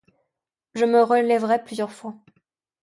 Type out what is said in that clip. Je me relevai plusieurs fois.